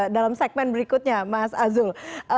dalam segmen berikutnya mas azul